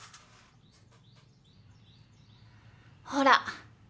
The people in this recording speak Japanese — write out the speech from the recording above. ほら。